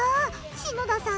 篠田さん